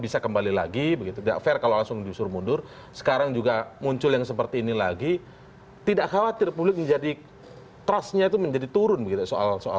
sampai jumpa di prime news